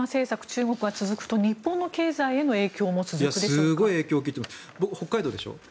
中国が続くと日本の経済への影響も続くでしょうか。